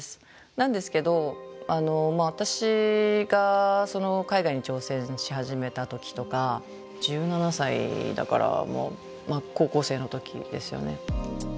なんですけど私が海外に挑戦し始めた時とか１７歳だからまあ高校生の時ですよね。